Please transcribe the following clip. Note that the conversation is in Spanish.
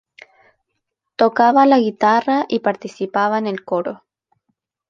Tocaba la guitarra y participaba en el coro.